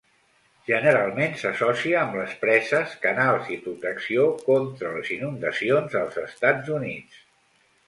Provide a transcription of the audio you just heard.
Generalment s'associa amb les preses, canals i protecció contra les inundacions als Estats Units.